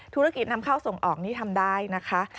นำเข้าส่งออกนี่ทำได้นะคะ